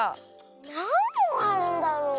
なんぼんあるんだろう。